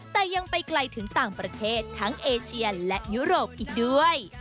แต่ยังไปไกลถึงต่างประเทศทั้งเอเชียและยุโรปอีกด้วย